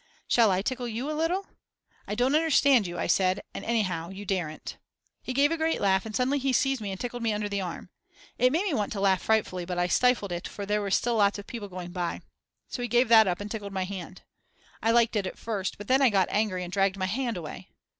Shall I tickle you a little? I don't understand you, I said, and anyhow you daren't. He gave a great laugh and suddenly he seized me and tickled me under the arm. It made me want to laugh frightfully, but I stifled it for there were still lots of people going by. So he gave that up and tickled my hand. I liked it at first, but then I got angry and dragged my hand away.